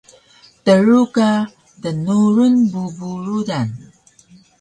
Tru ka dnurun bubu rudan